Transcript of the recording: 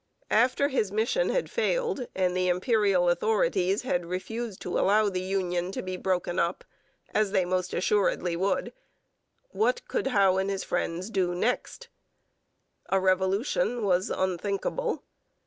After his mission had failed and the Imperial authorities had refused to allow the union to be broken up, as they most assuredly would, what could Howe and his friends do next? A revolution was unthinkable.